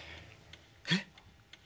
えっ？